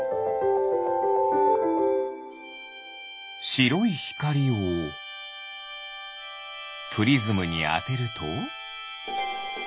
しろいひかりをプリズムにあてると？